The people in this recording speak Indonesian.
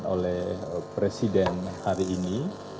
oleh presiden hari ini